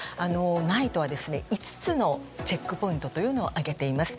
ＮＩＴＥは５つのチェックポイントを挙げています。